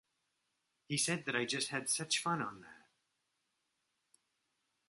He said that I just had such fun on that.